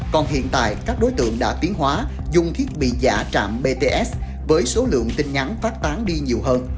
còn hiện tại các đối tượng đã tiến hóa dùng thiết bị giả trạm bts với số lượng tin nhắn phát tán đi nhiều hơn